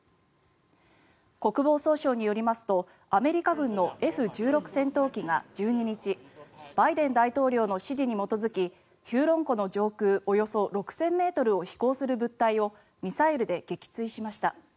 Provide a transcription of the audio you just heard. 国防総省によりますとアメリカ軍のＦ１６戦闘機が１２日バイデン大統領の指示に基づきヒューロン湖の上空およそ６０００ｍを飛行する物体をミサイルで撃墜しました。